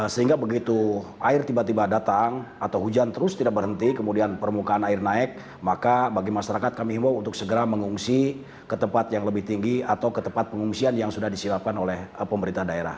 sehingga begitu air tiba tiba datang atau hujan terus tidak berhenti kemudian permukaan air naik maka bagi masyarakat kami himbau untuk segera mengungsi ke tempat yang lebih tinggi atau ke tempat pengungsian yang sudah disiapkan oleh pemerintah daerah